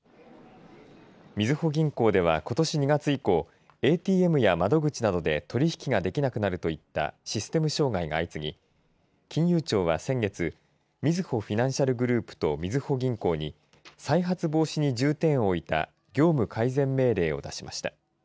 みずほ銀行では、ことし２月以降ＡＴＭや窓口などで取り引きができなくなるといったシステム障害が相次ぎ金融庁は先月みずほフィナンシャルグループとみずほ銀行に再発防止に重点を置いた業務改善命令を出しました。